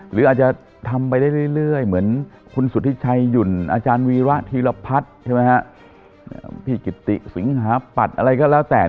หรืออาจจะทำไปได้เรื่อยเหมือนคุณสุธิชัยหยุ่นอาจารย์วีระธีรพัฒน์ใช่ไหมฮะพี่กิติสิงหาปัตย์อะไรก็แล้วแต่